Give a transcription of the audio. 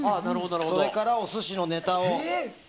それからお寿司のネタを。